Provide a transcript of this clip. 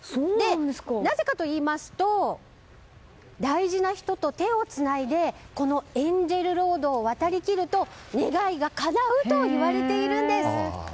なぜかといいますと大事な人と手をつないでこのエンジェルロードを渡りきると願いがかなうといわれているんです。